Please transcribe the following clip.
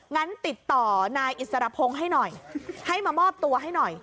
งั้นติดต่อนายอิสรพงศ์ให้หน่อยให้มามอบตัวให้หน่อย